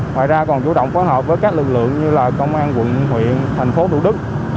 ngoài ra còn chủ động phối hợp với các lực lượng như là công an quận huyện thành phố thủ đức